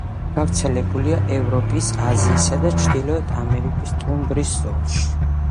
გავრცელებულია ევროპის, აზიისა და ჩრდილოეთ ამერიკის ტუნდრის ზოლში.